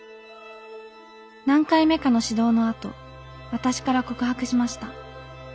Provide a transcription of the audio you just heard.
何回目かの指導のあと私から告白しました。